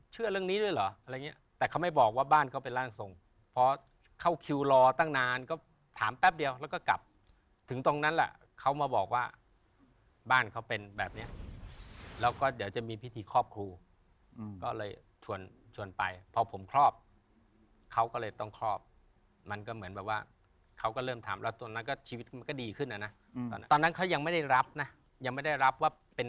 เรื่องนี้ด้วยเหรออะไรอย่างเงี้ยแต่เขาไม่บอกว่าบ้านเขาเป็นร่างทรงเพราะเข้าคิวรอตั้งนานก็ถามแป๊บเดียวแล้วก็กลับถึงตรงนั้นแหละเขามาบอกว่าบ้านเขาเป็นแบบเนี้ยแล้วก็เดี๋ยวจะมีพิธีครอบครูก็เลยชวนชวนไปพอผมครอบเขาก็เลยต้องครอบมันก็เหมือนแบบว่าเขาก็เริ่มทำแล้วตอนนั้นก็ชีวิตมันก็ดีขึ้นนะตอนนั้นเขายังไม่ได้รับนะยังไม่ได้รับว่าเป็น